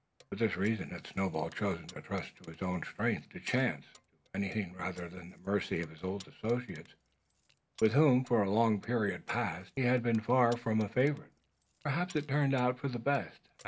For this reason had Snowball chosen to trust to his own strength, to chance, to anything rather than the mercy of his old associates, with whom, for a long period past, he had been far from a favourite. Perhaps it had turned out for the best.